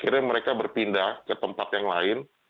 akhirnya mereka berpindah ke tempat yang lain